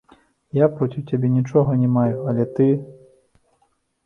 Я проціў цябе нічога не маю, але ты!